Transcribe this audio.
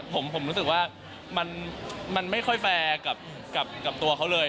ผมรู้สึกว่ามันไม่ค่อยแฟร์กับตัวเขาเลย